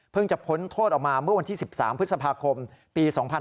จะพ้นโทษออกมาเมื่อวันที่๑๓พฤษภาคมปี๒๕๕๙